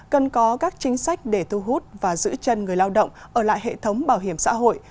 cần có các chính sách để thu hút và giữ chân người lao động ở lại hệ thống bảo hiểm xã hội